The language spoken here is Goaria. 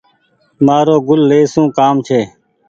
مآرو گل لي سون ڪآم ڇي۔